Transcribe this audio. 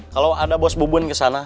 kalau ada bos bubun kesana